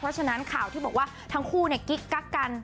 เพราะฉะนั้นข่าวที่บอกว่าทั้งคู่กิ๊กกักกัน